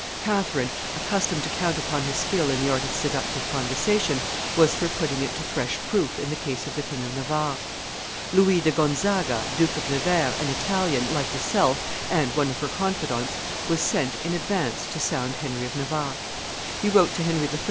Catherine, accustomed to count upon her skill in the art of seductive conversation, was for putting it to fresh proof in the case of the King of Navarre. Louis di Gonzaga, Duke of Nevers, an Italian, like herself, and one of her confidants, was sent in advance to sound Henry of Navarre. He wrote to Henry III.